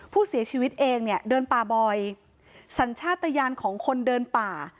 ผู้เสียชีวิตเองเนี่ยเดินป่าบ่อยสัญชาติยานของคนเดินป่า